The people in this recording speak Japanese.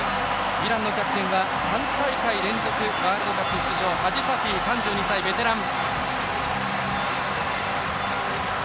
イランのキャプテンは３大会連続ワールドカップ出場ハジサフィ、３２歳、ベテラン。